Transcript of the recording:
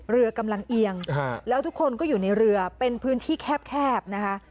เรือกำลังเอียงแล้วทุกคนก็อยู่ในเรือเป็นพื้นที่แคบนะคะ